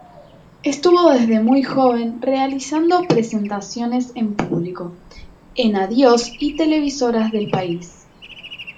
Estuvo desde muy joven realizando presentaciones en público, en adios y televisoras del país.